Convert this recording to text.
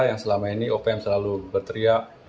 yang selama ini opm selalu berteriak